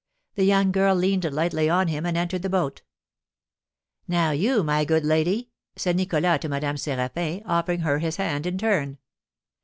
The young girl leaned lightly on him and entered the boat. "Now you, my good lady," said Nicholas to Madame Séraphin, offering her his hand in turn.